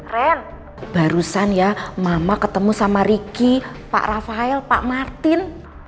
ren barusan ya mama ketemu sama ricky pak rafael pak martin